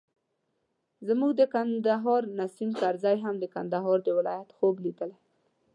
زموږ د کندهار نیسم کرزي هم د کندهار د ولایت خوب لیدلی.